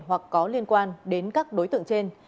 hoặc có liên quan đến các đối tượng trên